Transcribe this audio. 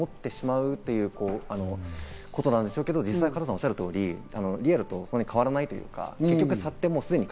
そういうことなんでしょうけど実際、加藤さんがおっしゃる通り、リアルとそんなに変わらないというか。